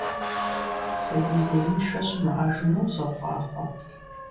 Сабий зеиншэ щымыӀэжыну сохъуахъуэ!